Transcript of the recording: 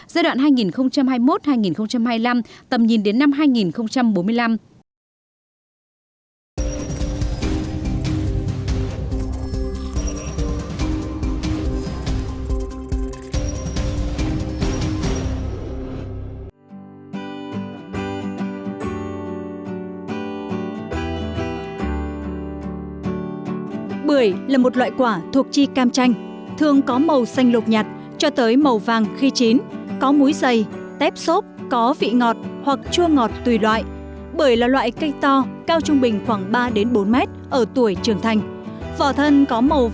giai đoạn hai nghìn hai mươi một hai nghìn hai mươi năm tầm nhìn đến năm hai nghìn bốn mươi năm